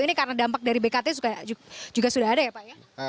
ini karena dampak dari bkt juga sudah ada ya pak ya